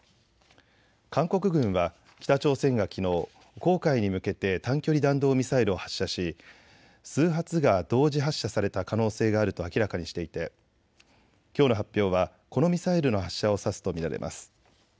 韓国軍は北朝鮮がきのう黄海に向けて短距離弾道ミサイルを発射し数発が同時発射された可能性があると明らかにしていてきょうの発表はこのミサイルの発射を指すと見られます。